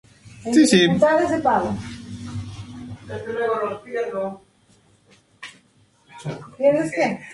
Era una de las haciendas más prósperas de Chalatenango.